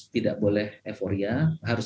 tidak boleh euforia harus